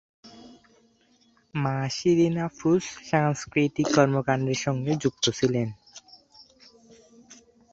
মা শিরীন আফরোজ সাংস্কৃতিক কর্মকাণ্ডের সঙ্গে যুক্ত ছিলেন।